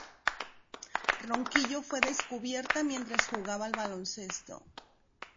Ronquillo fue descubierta mientras jugaba al baloncesto.